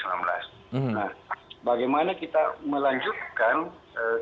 nah bagaimana kita melanjutkan kegiatan